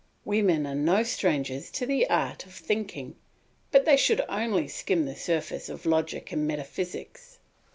Women are no strangers to the art of thinking, but they should only skim the surface of logic and metaphysics.